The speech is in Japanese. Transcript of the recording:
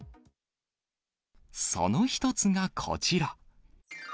その１つがこちら。